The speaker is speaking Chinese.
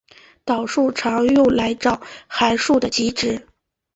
导数常用来找函数的极值。